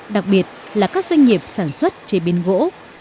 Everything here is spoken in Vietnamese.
đặc biệt là các doanh nghiệp sản xuất chế biến gỗ